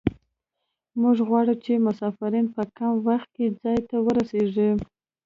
موږ غواړو چې مسافرین په کم وخت کې ځای ته ورسیږي